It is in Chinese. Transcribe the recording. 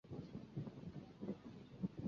此栏列出的是已停播节目。